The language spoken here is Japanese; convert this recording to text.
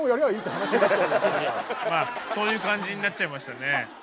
そういう感じになっちゃいましたね。